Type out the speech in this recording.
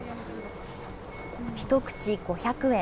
１口５００円。